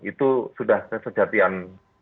itu sudah kesedatian